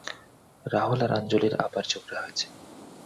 রাহুল আর আঞ্জলির আবার ঝগড়া হয়েছে।